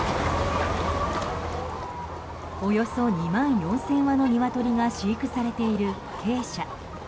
およそ２万４０００羽のニワトリが飼育されている鶏舎。